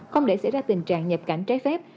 không để xảy ra tình trạng nhập cảnh trái phép